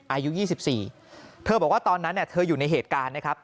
อายุ๒๔เธอบอกว่าตอนนั้นเธออยู่ในเหตุการณ์นะครับ